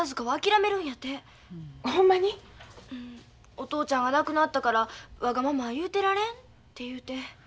お父ちゃんが亡くなったからわがままは言うてられんて言うて。